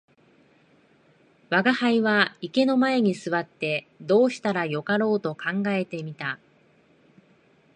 吾輩は池の前に坐ってどうしたらよかろうと考えて見た